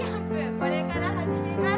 これから始めます。